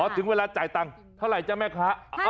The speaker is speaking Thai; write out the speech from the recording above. ถึงเวลาจ่ายตังค์เท่าไหร่จ้ะแม่ค้า